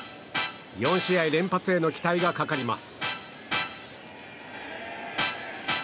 ４試合連発への期待がかかります。